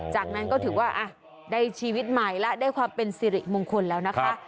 จากนั้นก็ถือว่าได้ชีวิตใหม่และได้ความเป็นสิริมงคลแล้วนะคะ